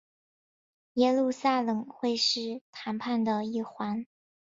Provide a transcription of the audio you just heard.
耶路撒冷会是谈判的一环。